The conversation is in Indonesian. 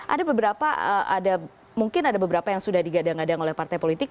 ada beberapa ada mungkin ada beberapa yang sudah digadang gadang oleh partai politik